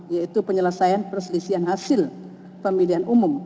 yaitu penyelesaian perselisihan hasil pemilihan umum